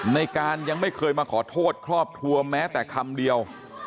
ในการยังไม่เคยมาขอโทษครอบครัวแม้แต่คำเดียว